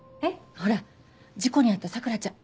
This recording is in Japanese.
ほら事故に遭った桜ちゃん。